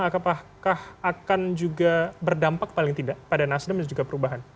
apakah akan juga berdampak paling tidak pada nasdem dan juga perubahan